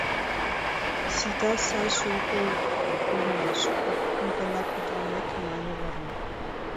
— Сийда сайжак огыл улмаш, — кок-кум гана подылмеке мане вара.